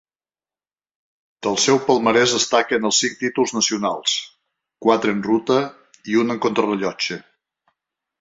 Del seu palmarès destaquen els cinc títols nacionals, quatre en ruta i un en contrarellotge.